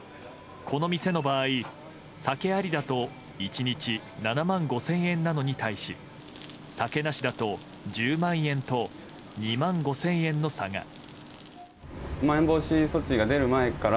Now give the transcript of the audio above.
この店の場合、酒ありだと１日７万５０００円なのに対し酒なしだと１０万円と２万５０００円の差が。